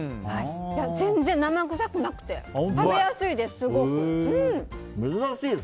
全然生臭くなくて食べやすいです。